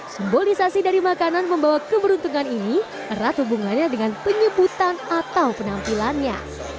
simbolisasi dari makanan membawa keberuntungan ini erat hubungannya dengan penyebutan atau penampilannya